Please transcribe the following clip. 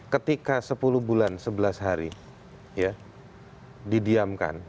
ketika sepuluh bulan sebelas hari ya didiamkan